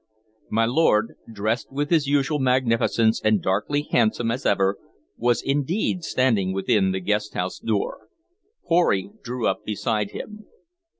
My lord, dressed with his usual magnificence and darkly handsome as ever, was indeed standing within the guest house door. Pory drew up beside him.